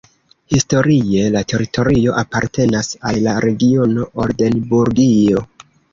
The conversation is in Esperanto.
Historie la teritorio apartenas al la regiono Oldenburgio.